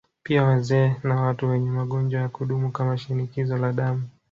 Pia wazee na watu wenye magonjwa ya kudumu kama Shinikizo la Damu